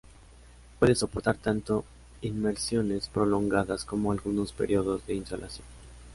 Puede soportar tanto inmersiones prolongadas como algunos periodos de insolación.